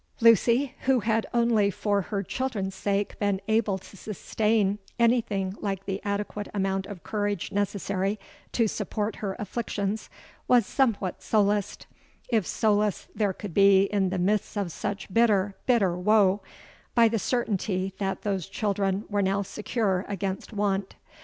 _'—Lucy, who had only for her children's sake been able to sustain anything like the adequate amount of courage necessary to support her afflictions, was somewhat solaced—if solace there could be in the midst of such bitter, bitter woe—by the certainty that those children were now secure against want.